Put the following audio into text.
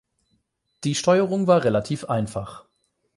Die Steuerung war relativ einfach.